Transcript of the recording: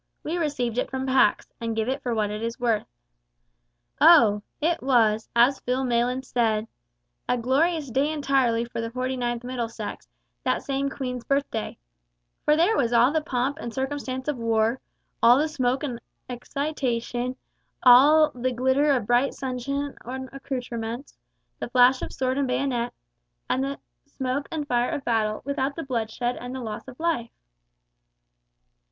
We received it from Pax, and give it for what it is worth. Oh! it was, as Phil Maylands said, "a glorious day entirely for the 49th Middlesex, that same Queen's Birthday," for there was all the pomp and circumstance of war, all the smoke and excitation, all the glitter of bright sunshine on accoutrements, the flash of sword and bayonet, and the smoke and fire of battle, without the bloodshed and the loss of life!